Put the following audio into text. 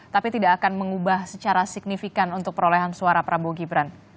tapi tidak akan mengubah secara signifikan untuk perolehan suara prabowo gibran